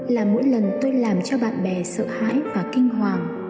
là mỗi lần tôi làm cho bạn bè sợ hãi và kinh hoàng